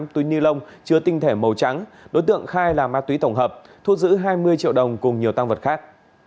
một mươi túi ni lông chứa tinh thể màu trắng đối tượng khai là ma túy tổng hợp thu giữ hai mươi triệu đồng cùng nhiều tăng vật khác